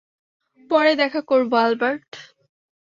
পরে দেখা করব, অ্যালবার্ট।